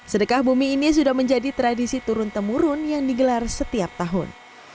sedekah bumi ini sudah menjadi tradisi turun temurun yang digelar setiap tahun